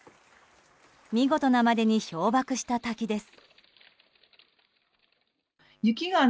見事なまでに氷瀑した滝です。